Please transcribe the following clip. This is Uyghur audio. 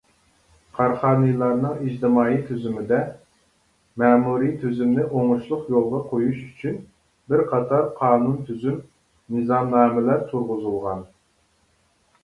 قاراخانىيلارنىڭ ئىجتىمائىي تۈزۈمىدە مەمۇرىي تۇزۇمنى ئوڭۇشلۇق يولغا قۇيۇش ئۈچۈن بىر قاتار قانۇن تۇزۇم، نىزامنامىلەر تۇرغۇزۇلغان.